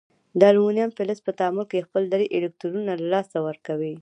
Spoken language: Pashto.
د المونیم فلز په تعامل کې خپل درې الکترونونه له لاسه ورکوي.